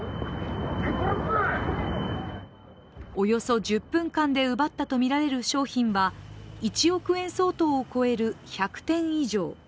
およそ１０分間で奪ったとみられる商品は１億円相当の１００点以上。